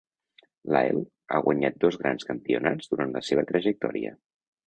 Lyle ha guanyat dos grans campionats durant la seva trajectòria.